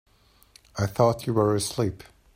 I thought you were asleep.